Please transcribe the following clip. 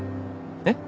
えっ？